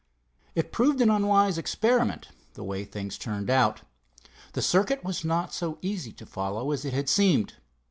It proved a very unwise experiment, the way things turned out. The circuit was not so easy to follow as it had seemed.